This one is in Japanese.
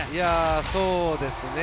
そうですね。